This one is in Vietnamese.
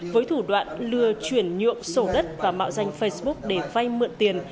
với thủ đoạn lừa chuyển nhượng sổ đất và mạo danh facebook để vay mượn tiền